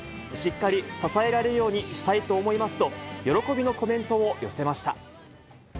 しっかり支えられるようにしたいと思いますと、喜びのコメントを寄せました。